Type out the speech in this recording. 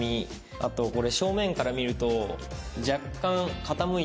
あとこれ正面から見ると。